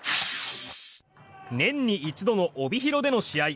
年に一度の帯広での試合。